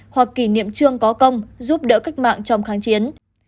hoặc kỷ niệm trương có công giúp đỡ cách mạng trong kháng chiến